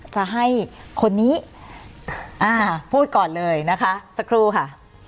จะให้คนนี้อ่าพูดก่อนเลยนะคะสักครู่ค่ะ